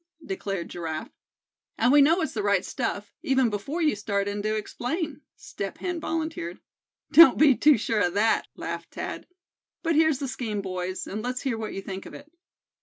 declared Giraffe. "And we know it's the right stuff, even before you start in to explain," Step Hen volunteered. "Don't be too sure of that," laughed Thad; "but here's the scheme, boys, and let's hear what you think of it.